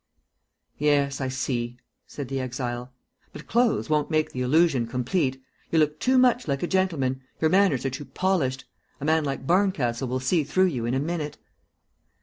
"Yes, I see," said the exile. "But clothes won't make the illusion complete. You look too much like a gentleman; your manners are too polished. A man like Barncastle will see through you in a minute."